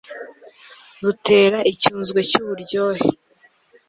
Rutera icyunzwe cyuburyohe